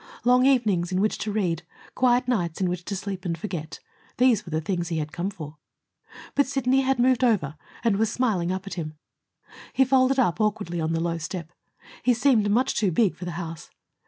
Long evenings in which to read, quiet nights in which to sleep and forget these were the things he had come for. But Sidney had moved over and was smiling up at him. He folded up awkwardly on the low step. He seemed much too big for the house.